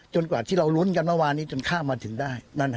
กว่าที่เรารุ้นกันเมื่อวานนี้จนข้ามมาถึงได้